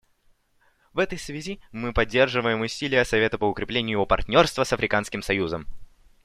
В этой связи мы поддерживаем усилия Совета по укреплению его партнерства с Африканским союзом.